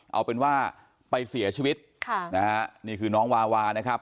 เอาเป็นว่าไปเสียชีวิตค่ะนะฮะนี่คือน้องวาวานะครับ